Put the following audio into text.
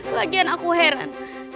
lagian aku heran